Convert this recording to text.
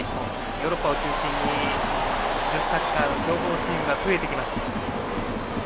ヨーロッパを中心に女子サッカーの強豪チームが増えてきました。